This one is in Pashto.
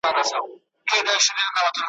له هغه ځایه را کوز پر یوه بام سو `